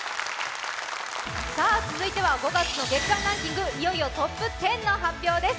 続いては５月の月間ランキング、いよいよトップ１０の発表です。